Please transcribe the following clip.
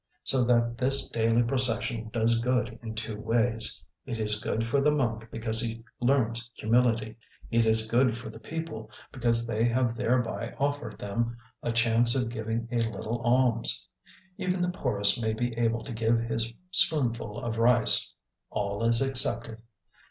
So that this daily procession does good in two ways: it is good for the monk because he learns humility; it is good for the people because they have thereby offered them a chance of giving a little alms. Even the poorest may be able to give his spoonful of rice. All is accepted.